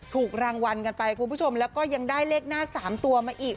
ถูกรางวัลกันไปคุณผู้ชมแล้วก็ยังได้เลขหน้า๓ตัวมาอีก